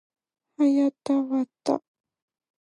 はやたわた